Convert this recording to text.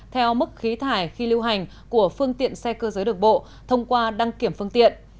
theo mức khí thải khi lưu hành của phương tiện xe cơ giới được bộ thông qua đăng kiểm phương tiện